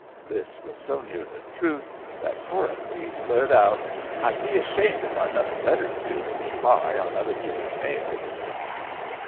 This was so near the truth that Horacles flared out: " Td be ashamed if Fd noth ing better to do than spy on other people's mails."